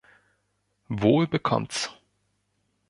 Wohl bekommts.